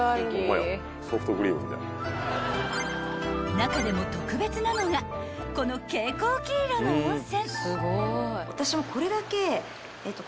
［中でも特別なのがこの蛍光黄色の温泉］